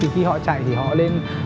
khi họ chạy thì họ lên